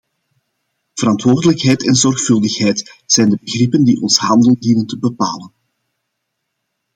Verantwoordelijkheid en zorgvuldigheid zijn de begrippen die ons handelen dienen te bepalen.